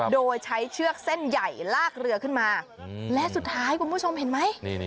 โดยใช้เชือกเส้นใหญ่ลากเรือขึ้นมาและสุดท้ายคุณผู้ชมเห็นไหม